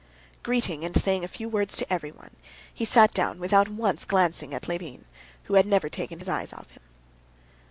Greeting and saying a few words to everyone, he sat down without once glancing at Levin, who had never taken his eyes off him.